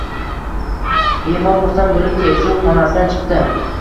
Bemor xursand bo`lib, tekshiruv xonasidan chiqdi